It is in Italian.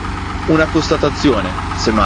Una constatazione, se mai.